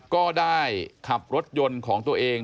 ก็ได้ขับรถยนต์ของตัวเอง